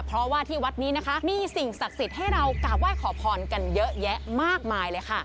เพราะว่าที่วัดนี้นะคะมีสิ่งศักดิ์สิทธิ์ให้เรากราบไหว้ขอพรกันเยอะแยะมากมายเลยค่ะ